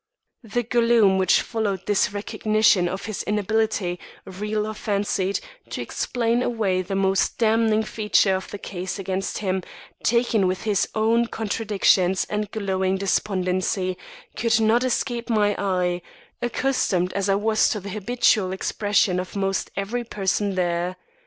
The gloom which followed this recognition of his inability, real or fancied, to explain away the most damning feature of the case against him, taken with his own contradictions and growing despondency, could not escape my eye, accustomed as I was to the habitual expression of most every person there.